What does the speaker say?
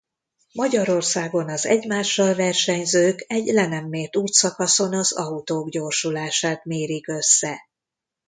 Magyarországon az egymással versenyzők egy le nem mért útszakaszon az autók gyorsulását mérik össze.